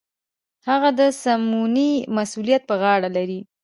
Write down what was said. هغه د سمونې مسوولیت په غاړه لري.